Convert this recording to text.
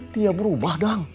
dia berubah dong